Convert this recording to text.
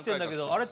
あれ